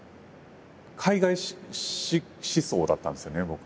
海外思想だったんですよね僕。